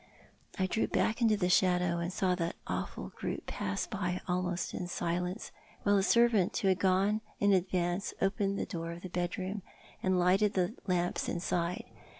I drew back into the shadow, and saw that awful group pass by almost in silence, while a servant who had gone in advance opened the door of the bedroom, and lighted the lamps inside.